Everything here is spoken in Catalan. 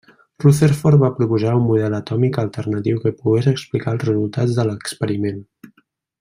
Rutherford va proposar un model atòmic alternatiu que pogués explicar els resultats de l'experiment.